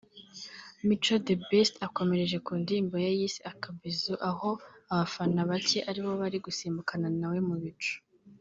Mico The Best akomereje ku ndirimbo ye yise ‘akabizu’ aho abafana bake aribo bari gusimbukana nawe mu bicu